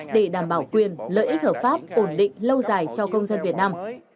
để đảm bảo quyền lợi ích hợp pháp ổn định lâu dài cho công dân việt nam